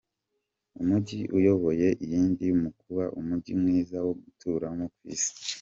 Umujyi uyoboye iyindi mu kuba umujyi mwiza wo guturamo ku isi.